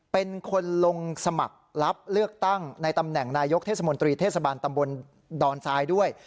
เป็นคนลงสมัครรับเลือกตั้งในตำแหน่งนายกเทศมนตรีเทศบาลตำบลดอนทรายด้วย